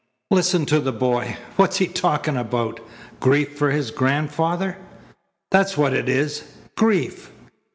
"Listen to the boy! What's he talking about? Grief for his grandfather. That's what it is grief."